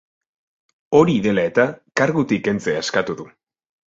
Hori dela eta, kargutik kentzea eskatu du.